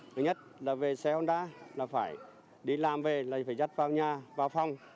thứ nhất là về xe hôn đá là phải đi làm về là phải dắt vào nhà vào phòng